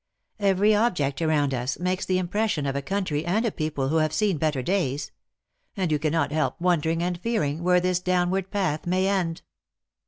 Every object around us makes the impression of a country and a people who have seen better days ; and you cannot help wondering and fearing where this down ward path may end."